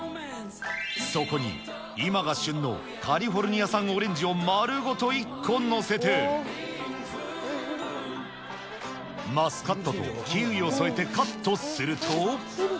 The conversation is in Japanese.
そこに今が旬のカリフォルニア産オレンジを丸ごと１個載せて、マスカットとキウイを添えてカットすると。